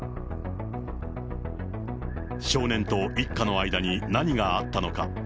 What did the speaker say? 少年と一家の間に何があったのか。